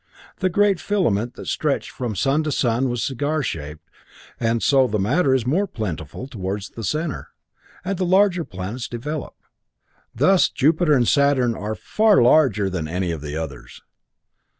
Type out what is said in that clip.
The great filament that stretched from the sun to sun was cigar shaped, and so the matter is more plentiful toward the center, and larger planets develop. Thus Jupiter and Saturn are far larger than any of the others.